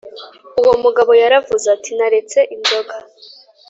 Uwo mugabo yaravuze ati naretse inzoga